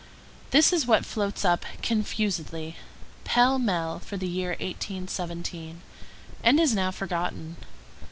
This is what floats up confusedly, pell mell, for the year 1817, and is now forgotten.